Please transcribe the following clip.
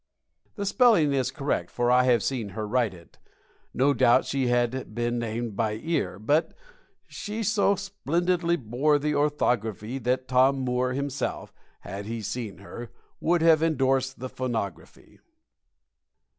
The spelling is correct, for I have seen her write it. No doubt she had been named by ear; but she so splendidly bore the orthography that Tom Moore himself (had he seen her) would have endorsed the phonography.